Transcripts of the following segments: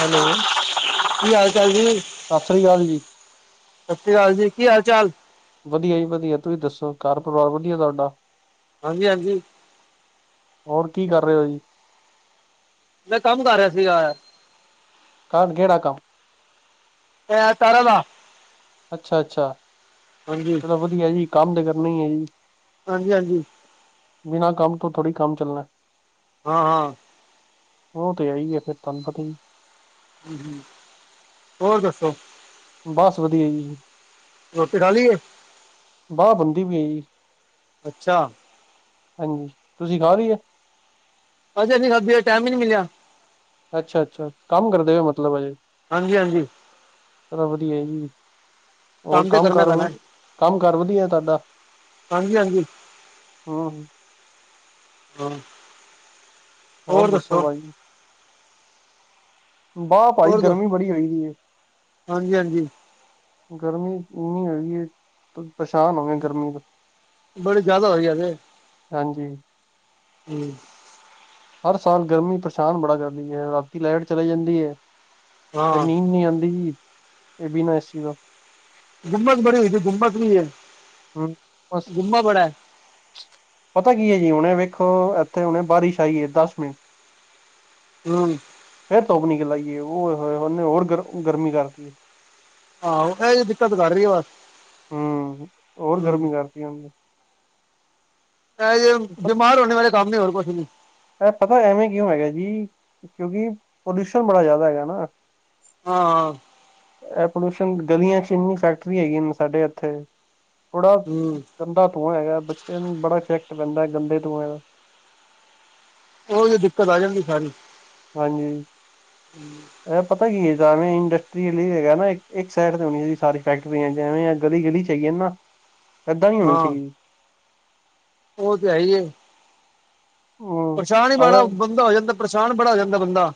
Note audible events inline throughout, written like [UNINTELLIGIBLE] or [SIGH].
Hello, ਕੀ ਹਾਲ-ਚਾਲ ਜੀ, ਸਤਿ ਸ੍ਰੀ ਅਕਾਲ ਜੀ ਸਸ ਰੀ ਕਾਲ ਜੀ ਕੀ ਹਾਲ-ਚਾਲ ਵਦੀਆ ਜੀ ਵਦੀਆ ਤੁਸੀਂ ਦੱਸੋ ਕਰ ਪਰਿਵਾਰ ਵਦੀਆ ਤੁਆਡਾ। ਹਾਂਜੀ-ਹਾਂਜੀ। ਹੋਰ ਕੀ ਕਰ ਰਏ ਓਂ ਜੀ। ਮੈਂ ਕੰਮ ਕਰ ਰਿਆ ਸੀਗਾ। ਕਰ ਕੇੜਾ ਕੰਮ ਐ ਤਾਰਾਂ ਦਾ। ਅੱਛਾ-ਅੱਛਾ, ਹਾਂਜੀ ਚਲੋ ਵਦੀਐ ਜੀ ਕੰਮ ਤੇ ਕਰਨਾ ਈ ਐ ਜੀ। ਹਾਂਜੀ-ਹਾਂਜੀ। ਬਿਨਾਂ ਕੰਮ ਤੋਂ ਥੋੜੀ ਕੰਮ ਚੱਲਨਾ। ਹਾਂ-ਹਾਂ। ਓ ਤੇ ਹੀ ਈ ਏ ਫੇਰ ਤਾਨੂੰ ਪਤਾ ਈ ਹੋਰ ਦੱਸੋ ਬਸ ਵਦੀਆ ਜੀ। ਰੋਟੀ ਖਾਲੀ ਏ। ਬਸ ਬਨਦੀ ਪਈ ਐ ਜੀ। ਅੱਛਾ ਹਾਂਜੀ, ਤੁਸੀਂ ਖਾਲੀ ਐ। ਹਜੇ ਨੀ ਖਾਦੀ ਐ ਟੈਮ ਈ ਨੀ ਮਿਲਿਆ। ਅੱਛਾ-ਅੱਛਾ, ਕੰਮ ਕਰਦੇ ਓਂ ਮਤਲਬ ਅਜੇ। ਹਾਂਜੀ-ਹਾਂਜੀ। ਚਲੋ ਵਦੀਐ ਜੀ। ਹੋਰ ਤੇ ਕੰਮ ਕਰਨਾ ਕਾਰ, ਪੈਣਾ ਕੰਮ ਕਾਰ ਵਦੀਐ ਤੁਆਡਾ। ਹਾਂਜੀ ਹਾਂਜੀ ਹੂੰ ਹੂੰ ਹੋਰ ਦੱਸੋ ਬਾਈ ਵਾ ਭਾਈ ਹੋਰ ਗਰਮੀ ਦੱਸੋ ਬੜੀ ਹੋਈਦੀ ਏ। ਹਾਂਜੀ ਹਾਂਜੀ ਗਰਮੀ ਇੰਨੀ ਹੋਈ ਏ ਪਰੇਸ਼ਾਨ ਹੋਗੇ ਗਰਮੀ ਤੋਂ, ਬੜੀ ਜ਼ਿਆਦਾ ਹੋਈ ਹਾਂਜੀ। ਹੂੰ ਹਰ ਸਾਲ ਗਰਮੀ ਪਰੇਸ਼ਾਨ ਬੜਾ ਕਰਦੀ ਐ ਰਾਤੀ ਲੈਟ ਚਲੇ ਜਾਂਦੀ ਐ। ਹਾਂ ਫੇਰ ਨੀਂਦ ਨੀ ਆਂਦੀ ਜੀ ਬਿਨਾਂ ਏਸੀ ਤੋਂ ਗੁੰਮਸ ਬੜੀ ਹੋਈ ਦੀ ਗੁੰਮਸ ਵੀ ਏ। ਹੂੰ, ਬਸ ਪਤਾ ਕੀ ਐ ਜੀ ਹੁਨੇ ਵੇਖੋ ਐਥੇ ਹੁਨੇ ਬਾਰਿਸ਼ ਆਈ ਐ ਦਸ ਮਿੰਟ [INAUDIBLE] ਹੂੰ ਫੇਰ ਧੁਪ ਨਿਕਲ ਆਈ ਏ ਓਏ ਹੋਏ ਓਨੇ ਹੋਰ ਗਰ ਗਰਮੀ ਕਰਤੀ। ਆਹੋ ਐਈ ਐ ਦਿੱਕਤ ਕਰ ਰਈ ਐ ਬਸ। ਹੂੰ, ਹੋਰ ਹੂੰ ਗਰਮੀ ਕਰਤੀ ਹੁਨ ਤੇ। ਐ ਜੇ ਬਿਮਾਰ ਹੋਨੇ ਵਾਲੇ ਕੰਮ ਨੇ ਹੋਰ ਕੁਛ ਨੀ। ਏਹ ਪਤਾ ਐਵੇਂ ਕਿਉਂ ਹੈਗਾ ਜੀ ਕਿਉਂਕਿ ਪੋਲਿਊਸ਼ਨ ਬੜਾ ਜ਼ਾਦਾ ਹੈਗਾ ਨਾ। ਹਾਂ। ਏਹ ਪੋਲਿਊਸ਼ਨ ਗਲੀਆਂ ਚ ਇੰਨੀ ਫੈਕਟਰੀ ਹੈਗੀਆਂ ਨੇ ਸਾਡੇ ਏਥੇ। ਥੋੜਾ ਹੂੰ ਗੰਦਾ ਧੂੰਆਂ ਹੈਗਾ, ਬੱਚੇ ਨੂੰ ਬੜਾ ਇਫ਼ੇਕਟ ਪੈਂਦਾ ਗੰਦੇ ਧੂਏ ਦਾ। ਉਹ ਤੇ ਦਿੱਕਤ ਆ ਜਾਂਦੀ ਸਾਰੀ। ਹਾਂਜੀ। ਐਹ ਪਤਾ ਕੀ ਏ ਜੈਵੇਂ ਇੰਡਸਟਰੀ ਏਲੀਏ ਹੈਗਾ ਨਾ, ਏ ਏਕ ਸਾਈਡ ਤੇ ਹੋਣੀ ਚਾਈਦੀ ਸਾਰੀ ਫੈਕਟਰੀਆਂ ਜੈਵੇਂ ਐਹ ਗਲੀ-ਗਲੀ ਚ ਹੈਗੀਆਂ ਨੇ ਨਾ, ਐਦਾਂ ਨਈ ਹੋਣੀ ਚਾਈਦੀ। ਓਹ ਤੇ ਹੈ ਈ ਏ। ਹਮ ਪਰੇਸ਼ਾਨ ਈ ਬੜਾ ਅਗਰ ਬੰਦਾ ਹੋ ਜਾਂਦਾ, ਪਰੇਸ਼ਾਨ ਬੜਾ ਹੋ ਜਾਂਦਾ ਬੰਦਾ।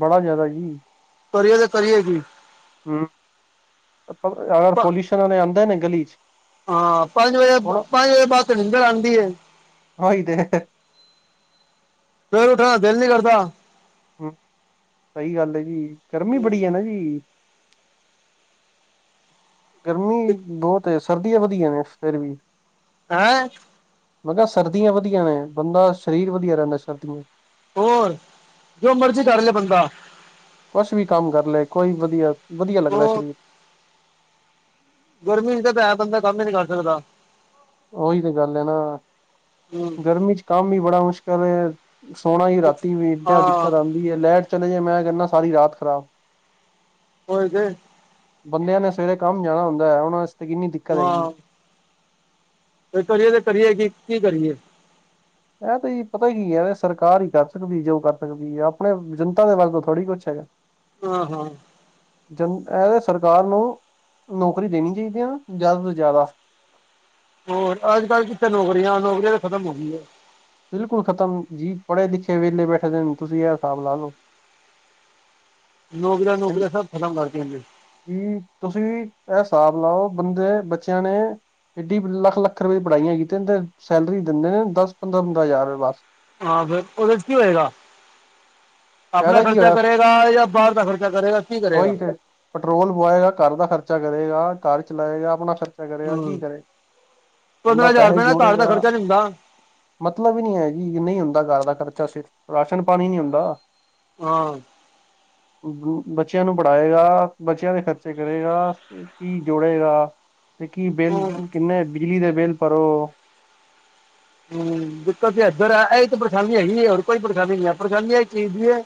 ਬੜਾ ਜਾਏਦਾ ਜੀ। ਕਰੀਏ ਤੇ ਕਰੀਏ ਕੀ? ਅਮ ਪ ਅਗਰ ਪਲਊਸ਼ਨ ਆਲੇ ਆਂਦੇ ਨੇ ਗਲੀ ਚ? ਹਾਂ ਪੰਜ ਵਜੇ, ਹੁਣ ਪੰਜ ਵਜੇ ਤੇ ਬਾਦ ਨਿੰਦਰ ਆਂਦੀ ਏ। ਓਈ ਤੇ ਸਵੇਰੇ ਉੱਠਣ ਦਾ ਦਿਲ ਨੀ ਕਰਦਾ। ਸਈ ਗੱਲ ਏ ਜੀ, ਗਰਮੀ ਬੜੀ ਏ ਨਾ ਜੀ। ਗਰਮੀ ਬੋਹਤ ਏ, ਸਰਦੀਆਂ ਵਧੀਆ ਨੇ ਫੇਰ ਵੀ। ਹੈਂ? ਮੈਂ ਕੇਆ ਸਰਦੀਆਂ ਵਧੀਆ ਨੇ, ਬੰਦਾ ਸ਼ਰੀਰ ਵਧੀਆ ਰੇਹੰਦਾ ਸਰਦੀਆਂ ਹੋਰ ਜੋ ਮਰਜੀ ਕਰ ਲੇ ਬੰਦਾ। ਕੁਛ ਵੀ ਕੰਮ ਕਰ ਲਏ, ਕੋਈ ਵਧੀਆ, ਵਧੀਆ ਲੱਗਦਾ ਏ ਉਹ ਸ਼ਰੀਰ। ਗਰਮੀ ਚ ਤੇ ਪੈ ਬੰਦਾ ਕੰਮ ਹੀ ਨੀ ਕਰ ਸਕਦਾ। ਓਹੀ ਤੇ ਗੱਲ ਏ ਨਾ, ਹੂੰ ਗਰਮੀ ਚ ਕੰਮ ਵੀ ਬੜਾ ਮੁਸ਼ਕਲ ਏ ਸੋਹਣਾ ਈ ਰਾਤੀ ਵੀ ਏਡਾ ਹਾਂ ਦਿੱਕਤ ਆਂਦੀ ਏ, ਲੈਟ ਚਲੇ ਜਾਏ ਮੈਂ ਕੇਹੰਨਾ ਸਾਰੀ ਰਾਤ ਖ਼ਰਾਬ। ਓਈ ਤੇ। ਬੰਦੇਆਂ ਨੇ ਸਵੇਰੇ ਕੰਮ ਜਾਣਾ ਹੁੰਦਾ ਏ, ਉਹਨਾਂ ਆਸਤੇ ਕਿੰਨੀ ਦਿੱਕਤ ਹੈਗੀ। ਫੇਰ ਕਰੀਏ ਤੇ ਕਰੀਏ ਕੀ, ਕੀ ਕਰੀਏ? ਏਹ ਤੇ ਜੀ ਪਤਾ ਏ ਕੀ ਹੈ ਏਹ ਸਰਕਾਰ ਈ ਕਰ ਸਕਦੀ ਜੋ ਕਰ ਸਕਦੀ ਹੈ। ਆਪਣੇ ਜਨਤਾ ਦੇ ਵੱਲ ਤੋਂ ਥੋੜ੍ਹੀ ਕੁਛ ਹੈਗਾ। ਹਾਂ-ਹਾਂ। ਜਨ ਏਹ ਦੇ ਸਰਕਾਰ ਨੂੰ ਨੌਕਰੀ ਦੇਣੀ ਚਾਈਦੀਆਂ ਜਾਦਾ ਤੋਂ ਜਾਦਾ। ਹੋਰ ਅੱਜ ਕੱਲ੍ਹ ਕਿਤੇ ਨੌਕਰੀਆਂ, ਨੌਕਰੀਆਂ ਤੇ ਖ਼ਤਮ ਹੋ ਗਈ ਏ। ਬਿਲਕੁਲ ਖਤਮ ਜੀ ਪੜ੍ਹੇ ਲਿਖੇ ਵੇਲੇ ਬੈਠੇ ਦੇ ਨੇ, ਤੁਸੀਂ ਏਹ ਹਿਸਾਬ ਲਾ ਲਓ। ਨੌਕਰੀਆਂ-ਨੌਕਰੀਆਂ ਸਭ ਖ਼ਤਮ ਕਰਦੀਆਂ ਜੇ। ਹਮ। ਤੁਸੀਂ ਵੀ ਏਹ ਸਾਬ ਲਾਓ ਬੰਦੇ ਬੱਚੇਆਂ ਨੇ ਏਡੀ ਲਾਖ-ਲਾਖ ਰੁਪਏ ਦੀ ਪੜ੍ਹਾਈਆਂ ਕੀਤੀਆਂ। ਤਿੰਨ-ਤਿੰਨ ਸੈਲਰੀ ਦਿੰਦੇ ਨੇ ਦਾਸ ਪੰਦਰਾਂ-ਪੰਦਰਾਂ ਹਜ਼ਾਰ ਰੁਪਏ ਬਾਸ। ਹਾਂ ਫੇਰ ਓਹਦੇ ਚ ਕੀ ਹੋਏਗਾ? ਆਪਣਾ ਫਾਇਦਾ ਕੀ ਖਰਚਾ ਕਰੇ ਦਾ ਯਾ ਬਾਹਰ ਦਾ ਖਰਚਾ ਕਰੇਗਾ। ਕੀ ਕਰੇਗਾ ਓਈ ਤੇ ਪੈਟਰੋਲ ਪਵਾਏਗਾ, ਕਾਰ ਦਾ ਖਰਚਾ ਕਰੇਗਾ, ਕਾਰ ਚਲਾਏਗਾ, ਅਪਣਾ ਖਰਚ [UNINTELLIGIBLE] ਯਾਰ ਕੀ ਹੂੰ ਕਰੇ? ਬੰਦਾ ਪੰਦਰਾਂ ਹਜ਼ਾਰ ਪੈਹੇ ਰੁਪਏ ਨਾਲ ਘਰ ਦਾ ਜੋੜੇਗਾ ਖਰਚਾ ਨੀ ਹੁੰਦਾ ਮਤਲਬ ਈ ਨੀ ਹੈ ਜੀ ਨਹੀਂ ਹੁੰਦਾ ਕਾਰ ਦਾ ਖਰਚਾ [UNINTELLIGIBLE] ਰਾਸ਼ਨ ਪਾਣੀ ਨੀ ਹੁੰਦਾ। ਹਾਂ। ਬੱਚੇਆਂ ਨੂੰ ਪੜ੍ਹਾਏਗਾ, ਬੱਚੇਆਂ ਦੇ ਖਰਚੇ ਕਰੇਗਾ, ਕੀ ਜੋੜੇਗਾ? ਤੇ ਕੀ ਬਿੱਲ, ਹੂੰ ਕਿੰਨੇ ਬਿਜਲੀ ਦੇ ਬਿੱਲ ਭਰੋ। ਹੂੰ, ਦਿੱਕਤ ਤੇ ਐਧਰ ਐ, ਐਹੀ ਤੇ ਪਰੇਸ਼ਾਨੀ ਹੈਗੀ ਐ, ਹੋਰ ਕੋਈ ਪਰੇਸ਼ਾਨੀ ਨਹੀਂ ਆ, ਪਰੇਸ਼ਾਨੀ ਇਸ ਚੀਜ਼ ਦੀ ਐ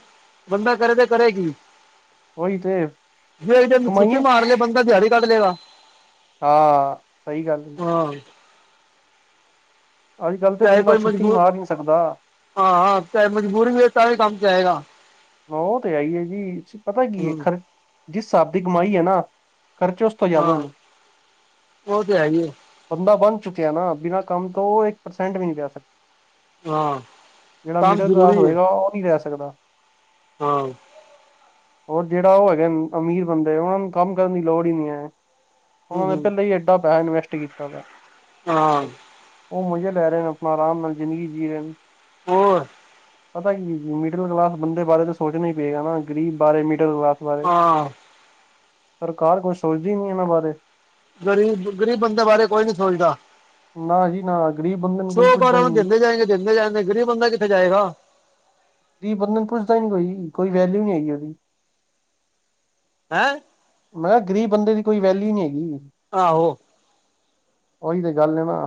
ਬੰਦਾ ਕਰੇ ਤੇ ਕਰੇ ਕੀ, ਉਹੀ ਤੇ ਫੇਰ ਇਹਦੇ ਚ ਛੁੱਟੀ ਕਮਾਈਆਂ ਮਾਰ ਲਏ ਬੰਦਾ ਦਿਹਾੜੀ ਕੱਢ ਲੇਗਾ। ਹਾਂ, ਸਹੀ ਗੱਲ। ਹਾਂ। ਅੱਜ-ਕੱਲ ਤੇ ਚਾਹੇ ਬੰਦਾ ਕੋਈ ਛੁੱਟੀ ਮਜਬੂਰ ਮਾਰ ਨੀ ਸਕਦਾ। ਹਾਂ, ਹਾਂ ਤੇ ਮਜਬੂਰੀ ਵਿੱਚ ਤਾਂ ਵੀ ਕੰਮ ਚ ਜਾਏਗਾ। ਉਹ ਤੇ ਹੈ ਈ ਐ ਜੀ, ਪਤਾ ਕੀ ਏ ਹੂੰ ਖ਼ਰਚ ਜਿਸ ਹਿਸਾਬ ਦੀ ਕਮਾਈ ਏ ਨਾ ਖ਼ਰਚ ਹਾਂ, ਓ ਤੇ ਹੈ ਈ ਏ। ਬੰਦਾ ਬੰਨ ਚੁੱਕਿਆ ਨਾ ਬਿਨਾਂ ਕੰਮ ਤੋਂ, ਉਹ ਇੱਕ ਪਰਸੈਂਟ ਵੀ ਨਹੀਂ ਲਿਆ ਸਕਦਾ। ਹਾਂ ਜਿਹੜਾ ਕੰਮ ਮਿਡਲ ਕਲਾਸ ਜ਼ਰੂਰੀ ਹੈ ਹੋਏਗਾ, ਉਹ ਨਹੀਂ ਰਹਿ ਸਕਦਾ। ਹਾਂ। ਔਰ ਜਿਹੜਾ ਉਹ ਹੈਗਾ ਅਮੀਰ ਬੰਦੇ, ਉਹਨਾਂ ਨੂੰ ਕੰਮ ਕਰਨ ਦੀ ਲੋੜ ਹੀ ਨਹੀਂ ਐ। ਹੂੰ ਹੂੰ ਉਹਨਾਂ ਲਈ ਏਡਾ ਬੈਨ ਇਨਵੈਸਟ ਕੀਤਾ ਵਾ। ਹਾਂ। ਉਹ ਮਜ਼ੇ ਲੈ ਰਹੇ, ਆਪਣਾ ਆਰਾਮ ਨਾਲ ਜ਼ਿੰਦਗੀ ਜੀਅ ਰਹੇ ਨੇ। ਹੋਰ। ਪਤਾ ਕੀ ਮਿਡਲ ਕਲਾਸ ਬੰਦੇ ਬਾਰੇ ਤਾਂ ਸੋਚਣਾ ਹੀ ਪਏਗਾ ਨਾ, ਗਰੀਬ ਬਾਰੇ ਮਿਡਲ ਕਲਾਸ ਬਾਰੇ। ਹਾਂ ਸਰਕਾਰ ਕੁਛ ਸੋਚਦੀ ਨੀ ਇਹਨਾਂ ਬਾਰੇ। ਗਰੀਬ, ਗਰੀਬ ਬੰਦੇ ਬਾਰੇ ਕੋਈ ਨੀ ਸੋਚਦਾ। ਨਾ ਜੀ ਨਾ, ਗਰੀਬ ਬੰਦੇ ਨੂੰ ਸੋ ਕੋਈ ਬਾਰ ਪੁੱਛਦਾ ਹੀ ਉਹਨੂੰ ਨਹੀਂ ਦਿੰਦੇ ਜਾਏਗੇ ਦਿੰਦੇ ਜਾਏਗੇ, ਗ਼ਰੀਬ ਬੰਦਾ ਕਿੱਥੇ ਜਾਏਗਾ। ਗ਼ਰੀਬ ਬੰਦੇ ਨੂੰ ਪੁੱਛਦਾ ਹੀ ਨਹੀਂ ਕੋਈ ਵੀ, ਕੋਈ ਵੈਲਿਊ ਨੀ ਹੈਗੀ ਉਹਦੀ। ਹੈਂ ਮੈਂ ਕਿਆ ਗਰੀਬ ਬੰਦੇ ਦੀ ਕੋਈ ਵੈਲਿਊ ਨਹੀਂ ਹੈਗੀ। ਆਹੋ। ਉਹੀ ਤੇ ਗੱਲ ਐ ਨਾ।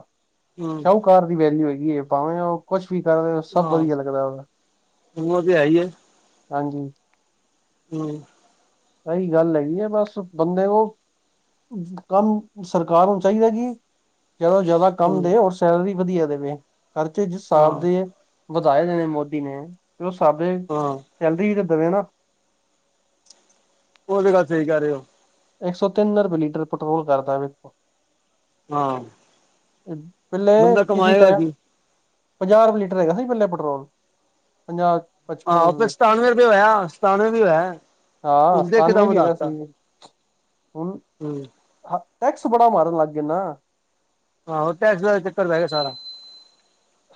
ਹੂੰ। ਘਰ ਦੀ ਵੈਲਿਊ ਹੈਗੀ ਐ, ਭਾਵੇਂ ਉਹ ਕੁਛ ਵੀ ਕਰ ਰਹੇ ਹੋ ਸਭ ਹਾਂ ਵਧੀਆ ਲੱਗਦਾ ਉਹਨੂੰ, ਹਮ ਉਹ ਤੇ ਹੈ ਹੀ ਹਾਂਜੀ। ਹੂੰ। ਸਹੀ ਗੱਲ ਹੈਗੀ ਐ ਬਸ, ਬੰਦੇ ਨੂੰ ਕੰਮ ਸਰਕਾਰ ਨੂੰ ਚਾਹੀਦਾ ਕਿ ਜਦੋਂ ਜ਼ਿਆਦਾ ਕੰਮ ਹਮ ਦੇ, ਔਰ ਸੈਲਰੀ ਵਧੀਆ ਦੇਵੇ, ਖ਼ਰਚੇ ਜਿਸ ਹਾਂ ਹਿਸਾਬ ਦੇ ਵਧਾਏ ਹੋਏ ਮੋਦੀ ਨੇ। ਤੇ ਉਹ ਸਾਡੇ ਹਾਂ ਸੈਲਰੀ ਵੀ ਤੇ ਦੇਵੇ ਨਾ। ਉਹ ਤੇ ਗੱਲ ਸਹੀ ਕਹਿ ਰਹੇ ਹੋ। ਇੱਕ ਸੌ ਤਿੰਨ ਰੁਪਏ ਲੀਟਰ ਪੈਟਰੋਲ ਕਰਤਾ ਵੇਖੋ। ਹਾਂ ਪਹਲੇ ਬੰਦਾ ਕਿਸੀ ਕਮਾਏਗਾ ਟੈਮ ਕੀ ਪੰਜਾਹ ਰੁਪਏ ਲੀਟਰ ਹੈਗਾ ਸੀ ਪਹਿਲੇ ਪੈਟਰੋਲ ਪੰਜਾਹ। ਪਚਪਨ ਆਹੋ ਫਿਰ ਰੁਪਏ ਸਤਾਨਵੇਂ ਰੁਪਏ ਹੋਇਆ, ਸਤਾਨਵੇਂ ਵੀ ਹੋਇਆ, ਹਾਂ ਹੁਣ ਤੇ ਇਕਦਮ ਸਤਾਨਵੇਂ ਵੀ ਵਧਾ ਹੈਗਾ ਸੀ ਤਾ। ਹੁਣ ਹਾਂਜੀ। ਹਾਂ ਟੈਕਸ ਬੜਾ ਮਾਰਨ ਲੱਗ ਗਏ ਨਾ। ਆਹੋ ਟੈਕਸ ਦਾ ਚੱਕਰ ਰਹਿ ਗਿਆ ਸਾਰਾ।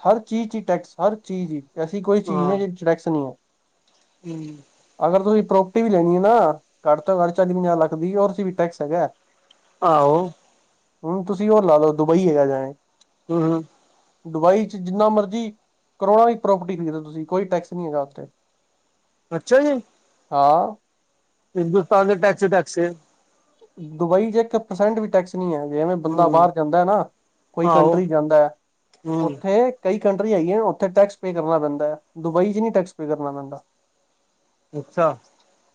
ਹਰ ਚੀਜ਼ ਚ ਹੀ ਟੈਕਸ ਹਰ ਚੀਜ਼ ਹੀ ਐਸੀ ਕੋਈ ਚੀਜ਼ ਨੀ ਐ ਹਾਂ ਜਿਹਦੇ 'ਚ ਟੈਕਸ ਨੀ ਐ। [UNINTELLIGIBLE] ਅਗਰ ਤੁਸੀਂ ਪ੍ਰੋਪਰਟੀ ਵੀ ਲੈਣੀ ਐ‌ ਨਾ ਘੱਟ ਤੋਂ ਘੱਟ ਚਾਲੀ ਪੰਜਾਹ ਲੱਖ ਦੀ ਵੀ ਉਹਦੇ ਚ ਵੀ ਟੈਕਸ ਹੈਗਾ। ਆਹੋ। ਹੁਣ ਤੁਸੀਂ ਉਹ ਲਾ ਲਓ, ਦੁਬਈ ਹੈਗਾ ਜਾਏ ਹੂੰ। ਦੁਬਈ ਚ ਜਿੰਨਾ ਮਰਜ਼ੀ, ਕਰੋੜਾਂ ਦੀ ਪ੍ਰੋਪਰਟੀ ਖਰੀਦੇ ਲੋ ਤੁਸੀਂ ਕੋਈ ਟੈਕਸ ਨੀਂ ਹੈਗਾ ਉੱਥੇ ਅੱਛਾ ਜੀ। ਹਾਂ। ਹਿੰਦੁਸਤਾਨ ਚ ਟੈਕਸੀ ਹੀ ਟੈਕਸ ਏਂ। ਦੁਬਈ ਚ ਇੱਕ ਪਰਸੈਂਟ ਵੀ ਟੈਕਸ ਨੀ ਹੈਗੇ, ਜਿਵੇਂ ਬੰਦਾ ਹਮ ਬਾਹਰ ਜਾਂਦਾ ਨਾ ਕੋਈ ਆਹੋ ਕੰਟਰੀ ਜਾਂਦਾ ਐ ਹਮ ਉੱਥੇ ਕਈ ਕੰਟਰੀਆਂ ਹੈਗੀਆ, ਉੱਥੇ ਟੈਕਸ ਪੇਅ ਕਰਨਾ ਪੈਂਦਾ ਐ ਦੁਬਈ ਚ ਨੀ ਟੈਕਸ ਪੇਅ ਕਰਨਾ ਪੈਂਦਾਂ। ਅੱਛਾ।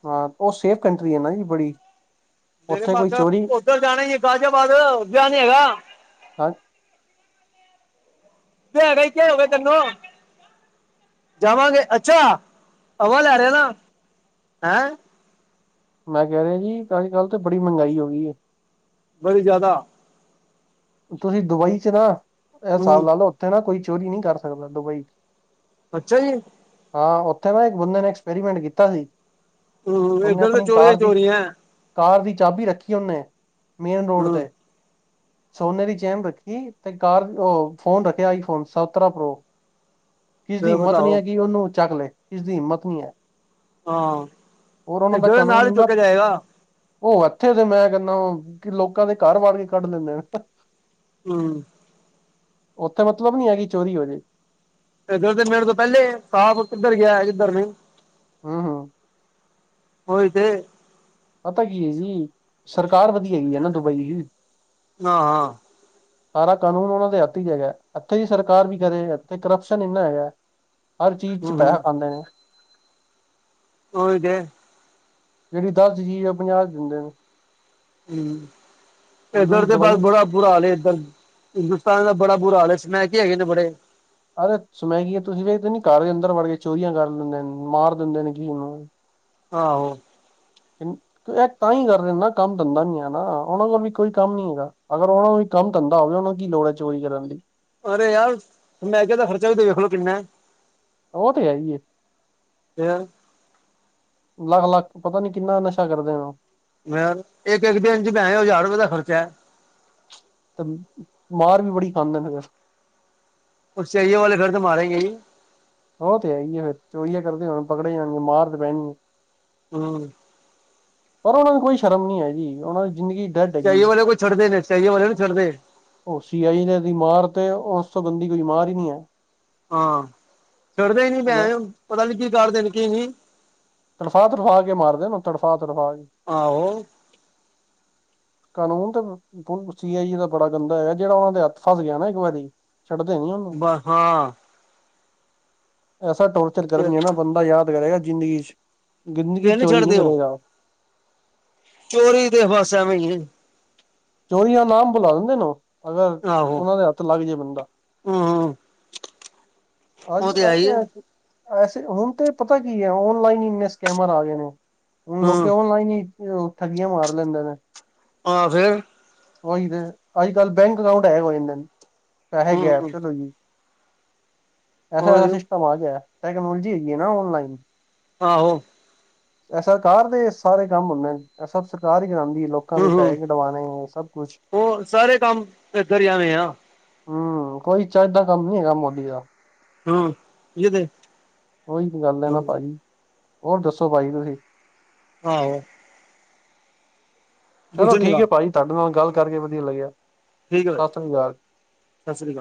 ਹਾਂ, ਉਹ ਸੇਫ ਕੰਟਰੀ ਆ ਨਾ ਜੀ ਬੜੀ ਡੇਰੇ ਉੱਥੇ ਮਾਸ ਕੋਈ ਚੋਰੀ ਉੱਧਰ ਜਾਣਾ ਈ ਆ ਗਾਜੀਆਬਾਦ ਵਿਆਹ ਨੀ ਹੈਗਾ। ਹਾਂ [UNINTELLIGIBLE] ਜਾਵਾਂਗੇ, ਅੱਛਾ ਹਵਾਂ ਲੈ ਰਿਆ ਨਾ ਹੈਂ ਮੈਂ ਕਹਿ ਰਿਹਾ ਜੀ, ਅੱਜ ਕੱਲ ਤਾਂ ਬੜੀ ਮਹਿੰਗਈ ਹੋਗੀ ਏਂ। ਬੜੀ ਜ਼ਿਆਦਾ। ਤੁਸੀਂ ਦੁਬਈ ਚ ਨਾ ਇਹ ਹੂੰ ਹਿਸਾਬ ਲਾ ਲਓ, ਉੱਥੇ ਨਾ ਕੋਈ ਚੋਰੀ ਨੀਂ ਕਰ ਸਕਦਾਂ ਦੁਬਈ ਚ ਅੱਛਾ ਜੀ। ਹਾਂ, ਉੱਥੇ ਨਾ ਇੱਕ ਬੰਦੇ ਨੇ ਐਕਸਪੈਰੀਮੈਂਟ ਕੀਤਾਂ ਸੀ। ਹੂੰ ਉਹਨੇ ਇੱਧਰ ਤਾਂ ਆਪਣੀਂ ਚੋਰੀਆਂ ਹੀ ਕਾਰ ਦੀ ਚੋਰੀਆਂ ਹੈ ਕਾਰ ਦੀ ਚਾਬੀ ਰੱਖੀ ਉਹਨੇ ਮੇਨ ਰੋਡ ਹੂੰ ਤੇ ਸੋਨੇ ਦੀ ਚੇਨ ਰੱਖੀ ਤੇ ਕਾਰ ਔ ਫ਼ੋਨ ਰੱਖਿਆਂ ਆਈਂ ਫ਼ੋਨ ਸਤਰਾ ਪ੍ਰੋ ਕਿਸ ਦੀ ਫਿਰ ਹਿੰਮਤ ਨੀਂ ਬਤਾਓ ਐ ਕਿ ਉਹਨੂੰ ਚੱਕ ਲੇ, ਕਿਸ ਦੀ ਹਿੰਮਤ ਨੀਂ ਐ ਹਾਂ, ਦਾ ਏਦਾ ਨਾਲ ਹੀ ਕਾਨੂੰਨ ਨਾ ਤੁਰ ਕੇ ਜਾਏਗਾ। ਉਹ ਇੱਥੇ ਤੇ ਮੈਂ ਕਹਿੰਨਾਂ ਕਿ ਲੋਕਾਂ ਦੇ ਘਰ ਵੱੜ ਕੇ ਕੱਢ ਲੇਦੇ ਨੇਂ ਹੂੰ। ਉੱਥੇ ਮਤਲਬ ਨੀ ਹੈਗੀ ਚੋਰੀ ਹੋਜ਼ੇ ਏਧਰ ਤੇ ਮਿੰਟ ਤੋਂ ਪਹਿਲੇ ਹੀ ਸਾਬ ਕਿੱਧਰ ਗਿਆ ਕਿੱਧਰ ਨਈ ਹਾਂ- ਹਾਂ। ਓਹੀ ਤੇ। ਪਤਾ ਕੀ ਏ ਜੀ, ਸਰਕਾਰ ਵਧੀਆਂ ਹੈਗੀ ਐਂ ਹੈ ਨਾ ਦੁਬਈ ਦੀ ਹਾਂ। ਸਾਰਾਂ ਕਾਨੂੰਨ ਉਹਨਾਂ ਦੇ ਹੱਥ ਵਿਚ ਹੈਗਾ, ਇੱਥੇ ਦੀ ਸਰਕਾਰ ਕੀ ਕਰੇ ਇੱਥੇ ਕਰਪਸ਼ਨ ਏਨਾ ਹੈਗਾ। ਹਰ ਚੀਜ਼ ਚ ਹੂੰ ਪੈਹਾ ਹੂੰ ਖਾਂਦੇ ਨੇਂ ੳਹੀ‌ ਤੇ। ਜਿਹੜੀ ਦਸ ਦੀ ਚੀਜ਼ ਆ, ਉਹ ਪੰਜਾਹ ਦੀ ਦਿੰਦੇਂ ਨੇਂ ਹੂੰ, ਹੁਣ ਏਧਰ ਤੁਸੀਂ ਦੇ ਬਸ ਦਵਾਈ ਬੁੜਾ ਬੁਰਾ ਹਾਲ ਏ ਏਧਰ, ਹਿੰਦੁਸਤਾਨ ਦਾ ਬੜਾ ਬੁਰਾ ਹਾਲ ਏ ਸਮੈਕਿਏ ਹੈਗੇ ਨੇ ਬੜੇ ਅਰੇ ਸਮੈਕੀਏ ਤੁਸੀਂ ਵੇਖਦੇ ਨੀ ਘਰ ਦੇ ਅੰਦਰ ਵੜ ਕੇ ਚੋਰੀਆਂ ਕਰ ਲੇਦੇ ਨੇ ਮਾਰ ਦਿੰਦੇਂ ਨੇ ਕੀਹਨੂੰ ਆਹੋ। ਇਹ ਤਾਂ ਹੀ ਕਰ ਰਹੇ ਨਾ ਕੰਮ ਧੰਦਾ ਨੀ ਹੈ ਨਾ ਉਹਨਾਂ ਕੋਲ ਵੀ ਕੋਈ ਕੰਮ ਨੀ ਹੈਗਾ। ਅਗਰ ਉਹਨਾ ਨੂੰ ਵੀ ਕੰਮ ਧੰਦਾ ਹੋਵੇ ਉਹਨਾਂ ਨੂੰ ਕੀ ਲੋੜ ਐ ਚੋਰੀ ਕਰਨ ਲਈ। ਅਰੇ ਯਾਰ ਮੈ ਕਿਹਾ ਦਾ ਖਰਚਾ ਵੀ ਵਖਲੋ ਕਿੰਨਾ ਐ। ਉਹ ਤੇ ਹੈ ਹੀ ਏ। ਯਾਰ ਲੱਖ- ਲੱਖ ਪਤਾ ਨੀ ਕਿੰਨਾ ਨਸ਼ਾ ਕਰਦੇ ਨੇ ਉ। ਯਾਰ ਇੱਕ- ਇੱਕ ਦਿਨ ਚ ਭੈਣਚੌ ਹਜ਼ਾਰ ਰੁਪਏ ਦਾ ਖਰਚਾ ਐ। ਤੇ ਮਾਰ ਵੀ ਬੜੀ ਖਾਂਦੇ ਨੇ ਫੇਰ। ਉ ਸਈਉ ਵਾਲੇ ਫੇਰ ਤੇ ਮਾਰੇ ਗੇ ਈ। ਉਹ ਤੇ ਹੈ ਹੀ ਐ ਫੇਰ, ਚੋਰੀਆਂ ਕਰਦੇ ਹੋਣ ਪਕੜੇ ਜਾਣਗੇ ਮਾਰ ਤੇ ਪੈਣੀ। ਹੂੰ। ਪਰ ਉਹਨਾਂ ਨੂੰ ਕੋਈ ਸ਼ਰਮ ਨੀ ਹੈਗੀ ਉਹਨਾਂ ਦੀ ਜ਼ਿੰਦਗੀ, ਡੈਡ ਚਾਹੀਏ ਹੈਗੀ ਹੈ। ਵਾਲੇ ਕੋ ਛੱਡਦੇ ਨੇ ਚਾਹੀਏ ਵਾਲੇ ਨੀ ਛੱਡਦੇ। ਉ ਸੀਆਈ ਨੇ ਦੀ ਮਾਰ ਤੇ ਉਸ ਤੋਂ ਗੰਦੀ ਕੋਈ ਮਾਰ ਈ ਨੀ ਐ। ਹਾਂ ਛੱਡਦੇ ਹੀ ਨੀ ਹੈ ਭੈਣਚੋ ਪਤਾ ਨੀ ਕੀ ਕਰਦੇ ਨੇ ਕੀ ਨੀ। ਤੜਫਾ- ਤੜਫਾ ਕੇ ਮਾਰਦੇ ਨੇ ਤੜਫਾ- ਤੜਫਾ ਕੇ। ਆਹ ਹੋ। ਕਾਨੂੰਨ ਤੇ ਸੀ ਆਈ ਈ ਦਾ ਬੜਾ ਗੰਦਾ ਹੈਗਾ, ਜਿਹੜਾ ਉਹਨਾਂ ਦੇ ਹੱਥ ਫਸ ਗਿਆ ਨਾ ਇੱਕ ਵਾਰੀ। ਛੱਡਦੇ ਨੀ ਉਹਨੂੰ, ਬ ਹਾਂ ਐਸਾ ਟੋਰ- ਚਰ ਕਰਨਗੇ ਨਾ ਬੰਦਾ ਯਾਦ ਕਰੇਗਾ ਜ਼ਿੰਦਗੀ ਚ ਜਿੰਦਗੀ ਫਿਰ ਚੋਰੀ ਨੀ ਛੱਡਦੇ ਉਹ ਕਰੇਗਾ। ਚੋਰੀ ਦੇ ਬਸ ਐਵੇਂ ਈ ਐ। ਚੋਰੀਆਂ ਨਾਮ ਬੁਲਾ ਦਿੰਦੇ ਨੇ‌ ੳ। ਅਗਰ ਆਹੋ ਉਹਨਾਂ ਦੇ ਹੱਥ ਲੱਗ ਜੇ ਬੰਦਾ। ਹੂੰ ਹੂੰ ਹਜ ਉਹ ਤੇ ਹੈ ਆਰ ਹੀ ਹੈ ਐ ਸ ਐਸੇ ਹੁਣ ਤੇ ਪਤਾ ਕੀ ਐ ਓਨਲਾਈਨ ਹੀ ਇੰਨੇ ਸਕੈਮਰ ਆ ਗਏ ਨੇ ਹੁਣ ਲੋਕੀ ਹੂੰ ਓਨਲਾਈਨ ਈ। ਉਹ ਠੱਗੀਆਂ ਮਾਰ ਲੈਂਦੇ ਨੇ। ਹਾਂ ਫੇਰ। ਓਹੀ ਤੇ ਅੱਜ ਕੱਲ ਬੈਂਕ ਅਕਾਊਂਟ ਹੈ ਕੋਈ ਨਹੀਂ ਪੈਸੇ ਹੂੰ ਗੈਬ ਚਲੋ ਜੀ। ਐਸਾ- ਐਸਾ ਉਹੀ ਸਿਸਟਮ ਆ ਗਿਆ ਟੈਕਨੋਲੋਜੀ ਹੈਗੀ ਨਾ ਔਨਲਾਈਨ। ਆਹੋ। ਸਰਕਾਰ ਦੇ ਸਾਰੇ ਕੰਮ ਹੁੰਦੇ ਨੇ ਸਭ ਸਰਕਾਰ ਹੀ ਕਰਾਂਦੀ ਐ, ਲੋਕ- ਲੋਕਾਂ ਦੇ ਹੂੰ ਹੂੰ ਪੈਸੇ ਕਢਵਾਨੇ ਸਭ ਕੁਛ, ਉਹ ਸਾਰੇ ਕੰਮ ਇੱਧਰ ਹੀ ਐਵੇਂ ਆ ਹੂੰ ਕੋਈ ਚਜ ਦਾ ਕੰਮ ਨੀ ਹੈਗਾ ਮੋਦੀ ਦਾ। ਹੂੰ ਯੇ ਦੇ। ਓਹੀ ਤੇ ਗੱਲ ਹੈ ਨਾ ਭਾਜੀ, ਹੋਰ ਦੱਸੋ ਭਾਜੀ ਤੁਸੀਂ? ਆ ਐ ਚਲੋ ਦੂਸਰੇ ਠੀਕ ਲਗਾ ਹੈ ਭਾਜੀ ਤੁਹਾਡੇ ਨਾਲ ਗੱਲ ਕਰਕੇ ਵਧੀਆ ਲੱਗਿਆ। ਠੀਕ ਆ ਭਾ ਜੀ ਸਤਿ ਸ੍ਰੀ ਅਕਾਲ ਸਤਿ ਸ੍ਰੀ ਅਕਾਲ।